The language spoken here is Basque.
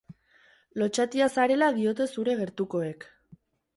Lotsatia zarela diote zure gertukoek.